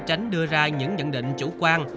tránh đưa ra những nhận định chủ quan